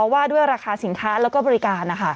ว่าด้วยราคาสินค้าแล้วก็บริการ